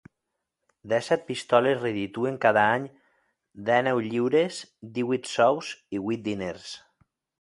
Dèsset pistoles redituen cada any dènou lliures, díhuit sous i huit diners.